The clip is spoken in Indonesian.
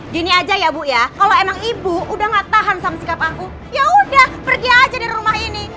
gini aja ya bu ya kalau emang ibu udah gak tahan sama sikap aku yaudah pergi aja dari rumah ini